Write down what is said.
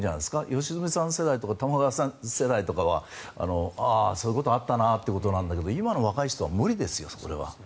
良純さん世代とか玉川さん世代とかはああ、そういうことあったなということなんだけど今の若い人は無理ですよ、それは。